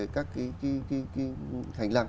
các cái hành lang